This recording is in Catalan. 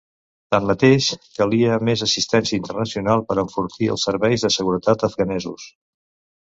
Tanmateix, calia més assistència internacional per enfortir els serveis de seguretat afganesos.